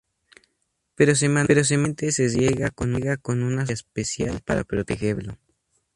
Pero semanalmente se riega con una sustancia especial para protegerlo".